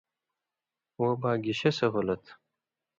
وہ با گشے سہولت؟